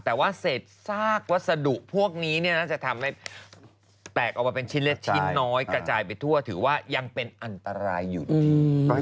แต่ว่าเศษซากวัสดุพวกนี้น่าจะทำให้แตกออกมาเป็นชิ้นเล็กชิ้นน้อยกระจายไปทั่วถือว่ายังเป็นอันตรายอยู่ดี